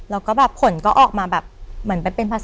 แล้วก็แบบผลก็ออกมาแบบเหมือนเป็นภาษาอังกฤษ